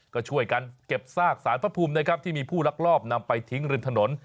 ก็ช่วยกันเก็บซากสารพระภูมินะครับที่มีผู้ลักลอบนำไปทิ้งริมถนน